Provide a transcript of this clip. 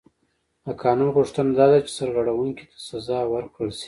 د قانون غوښتنه دا ده چې سرغړونکي ته سزا ورکړل شي.